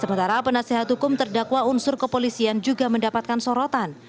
sementara penasehat hukum terdakwa unsur kepolisian juga mendapatkan sorotan